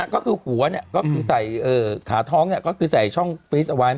ก็คือหัวเนี่ยก็คือใส่ขาท้องเนี่ยก็คือใส่ช่องฟรีสต์เอาไว้